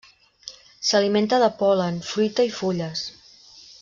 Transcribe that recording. S'alimenta de pol·len, fruita i fulles.